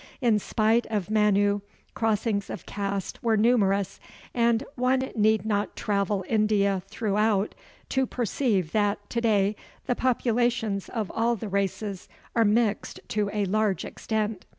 In spite of Manu, crossings of caste were numerous, and one need not travel India throughout to perceive that, to day, the populations of all the races are mixed to a large extent.